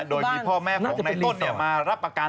โดยมีพ่อแม่ของในต้นมารับประกัน